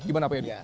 gimana pak edi